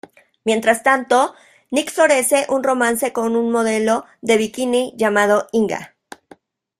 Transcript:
Mientras tanto, Nick florece un romance con un modelo de bikini llamado Inga.